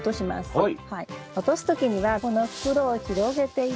はい。